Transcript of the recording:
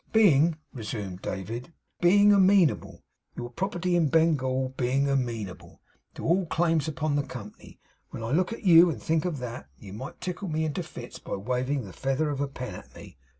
' Being,' resumed David, 'being amenable your property in Bengal being amenable to all claims upon the company; when I look at you and think of that, you might tickle me into fits by waving the feather of a pen at me.